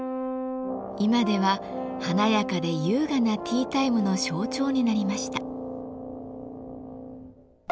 今では華やかで優雅なティータイムの象徴になりました。